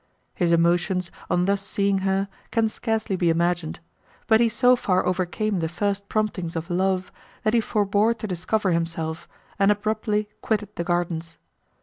His emotions, on thus seeing her, can scarcely be imagined; but he so far overcame the first promptings of love, that he forbore to discover himself, and abruptly quitted the gardens.